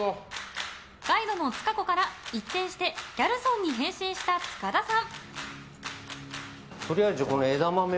ガイドのつか子から一転してギャルソンに変身した塚田さん。